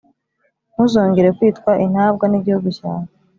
Ntuzongera kwitwa intabwa n igihugu cyawe